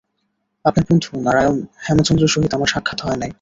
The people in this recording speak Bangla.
আপনার বন্ধু নারায়ণ হেমচন্দ্রের সহিত আমার সাক্ষাৎ হয় নাই।